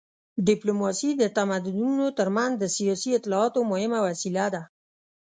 ډیپلوماسي د تمدنونو تر منځ د سیاسي اطلاعاتو مهمه وسیله وه